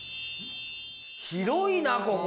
広いなここ。